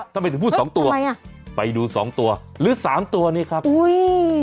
ทำไมถึงพูดสองตัวอ่ะไปดูสองตัวหรือสามตัวนี้ครับอุ้ย